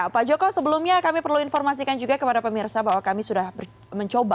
pak joko sebelumnya kami perlu informasikan juga kepada pemirsa bahwa kami sudah mencoba